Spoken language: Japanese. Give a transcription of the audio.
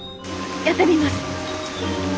やってみます。